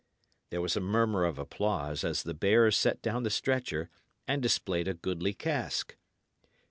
There was a murmur of applause as the bearers set down the stretcher and displayed a goodly cask.